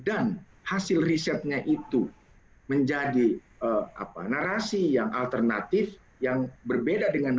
anggota pilihan and jeleknya pilihan yang contohnya adalah